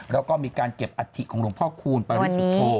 แล้วก็มีการเก็บอาทิของลงพ่อคูลพรุ่งสุโธ